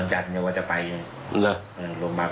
ในไหนอันนู้นก็จะไปทำอันนู้นไป